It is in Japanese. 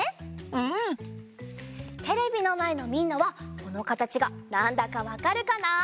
テレビのまえのみんなはこのかたちがなんだかわかるかな？